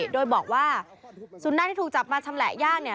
โดยบอกว่าสุนัขที่ถูกจับมาชำแหละย่างเนี่ย